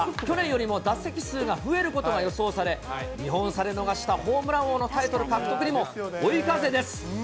去年よりも打席数が増えることが予想され、２本差で逃したホームラン王のタイトル獲得にも追い風です。